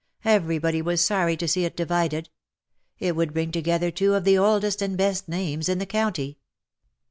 Every body was sorry to see it divided. It would bring together two of the oldest and best names in the county.